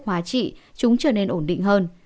hóa trị chúng trở nên ổn định hơn